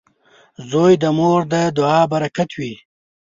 • زوی د مور د دعا برکت وي.